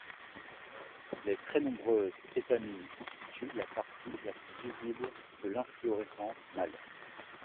Les très nombreuses étamines constituent la partie la plus visible de l'inflorescence mâle.